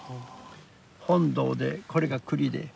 本堂でこれが庫裏で。